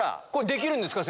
できるんですか？